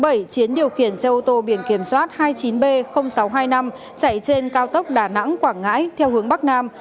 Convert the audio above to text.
chiến điều khiển xe ô tô biển kiểm soát hai mươi chín b sáu trăm hai mươi năm chạy trên cao tốc đà nẵng quảng ngãi theo hướng bắc nam